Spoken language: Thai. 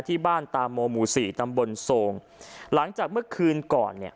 ที่บ้านตามโมหมู่สี่ตำบลโซงหลังจากเมื่อคืนก่อนเนี่ย